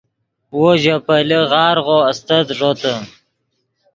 وو ژے پیلے غارغو استت ݱوتے